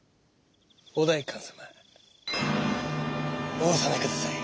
お代官様お納めください。